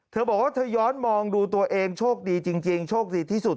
เธอบอกว่าเธอย้อนมองดูตัวเองโชคดีจริงโชคดีที่สุด